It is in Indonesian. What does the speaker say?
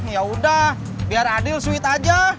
yaudah biar adil suit aja